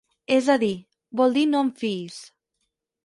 És a dir, vol dir no en fiïs.